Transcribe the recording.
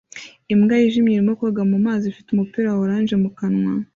Imbwa yijimye irimo koga mu mazi ifite umupira wa orange mu kanwa